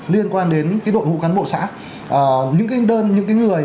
liên quan đến cái đội ngũ cán bộ xã những cái đơn những cái người